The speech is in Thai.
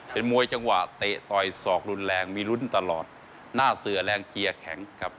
เป็นมวยจังหวะเตะต่อยศอกรุนแรงมีลุ้นตลอดหน้าเสือแรงเคลียร์แข็งครับ